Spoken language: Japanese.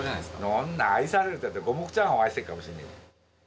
そんな、愛されてるって、五目チャーハンを愛してっかもしんねぇ。